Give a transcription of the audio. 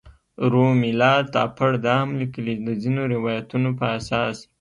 رومیلا تاپړ دا هم لیکلي چې د ځینو روایتونو په اساس.